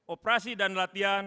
operasi dan laksananya